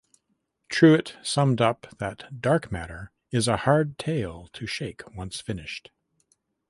Truitt summed up that "Dark Matter" is "a hard tale to shake once finished".